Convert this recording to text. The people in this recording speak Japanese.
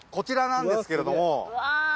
ちらなんですけれども。